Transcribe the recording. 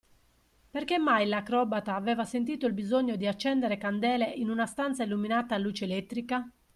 Perché mai l'acrobata aveva sentito il bisogno di accendere candele in una stanza illuminata a luce elettrica?